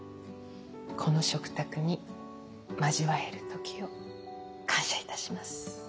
この食卓に交わえる時を感謝いたします。